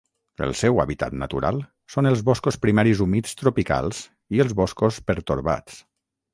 El seu hàbitat natural són els boscos primaris humits tropicals i els boscos pertorbats.